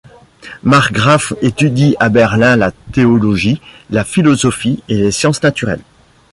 Marggraff étudie à Berlin la théologie, la philosophie et les sciences naturelles.